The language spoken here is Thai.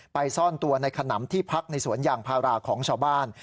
ซ่อนตัวในขนำที่พักในสวนยางพาราของชาวบ้าน